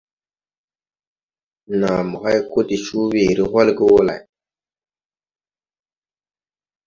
Naa mo hay ko de coo weere holge wo lay.